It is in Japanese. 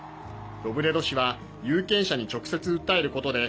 ロブレド氏は有権者に直接訴えることで